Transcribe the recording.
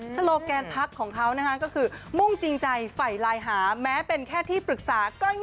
โลแกนพักของเขานะคะก็คือมุ่งจริงใจฝ่ายไลน์หาแม้เป็นแค่ที่ปรึกษา